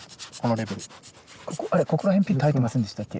ここら辺ピッと入ってませんでしたっけ？